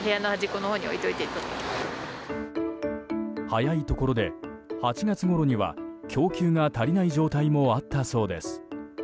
早いところで８月ごろには供給が足りない状態もあったそうです。